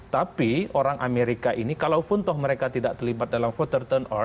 tapi orang amerika ini kalaupun mereka tidak terlibat dalam voter turnout